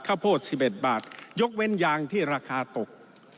ข้าวโพด๑๑บาทยกเว้นยางที่ราคาตก